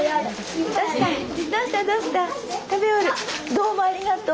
どうもありがとう。